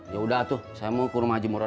yaudah tuh saya mau ke rumah jemur